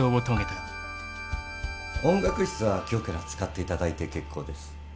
音楽室は今日から使っていただいて結構です。